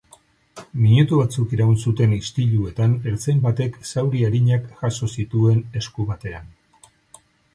Minutu batzuk iraun zuten istiluetan ertzain batek zauri arinak jaso zituen esku batean.